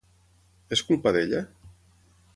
És culpa d'ella?